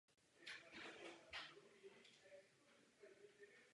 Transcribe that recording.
Vedle toho projektoval a postavil i tři významné vily v Ústí nad Labem.